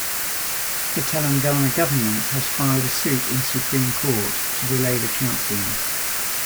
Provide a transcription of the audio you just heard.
The Telangana government has filed a suit in Supreme court to delay the counselling.